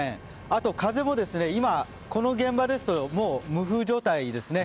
あと、風もこの現場ですともう無風状態ですね。